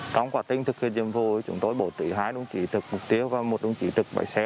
công quả tinh thực hiện nhiệm vụ chúng tôi bổ tử hai đúng chỉ thực mục tiêu và một đúng chỉ thực bài xe